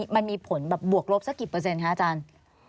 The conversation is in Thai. มันมีผลแบบบวกลบสักกี่เปอร์เซ็นคะอาจารย์